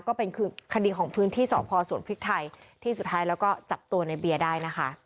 ก็เป็นคือคดีของพื้นที่สพสวนพริกไทยที่สุดท้ายแล้วก็จับตัวในเบียร์ได้นะคะ